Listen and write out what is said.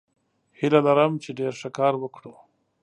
هیله لرم چې ډیر ښه کار وکړو.